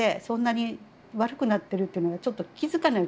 そんなに悪くなっているっていうのがちょっと気付か